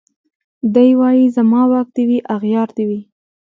دی وايي زما واک دي وي اغيار دي وي